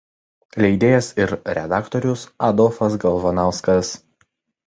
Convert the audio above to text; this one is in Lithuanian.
Leidėjas ir redaktorius Adolfas Galvanauskas.